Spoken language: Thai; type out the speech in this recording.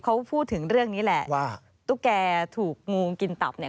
เขาพูดถึงเรื่องนี้แหละว่าตุ๊กแกถูกงูกินตับเนี่ย